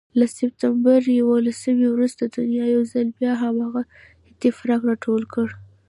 له سپتمبر یوولسمې وروسته دنیا یو ځل بیا هماغه استفراق راټول کړ.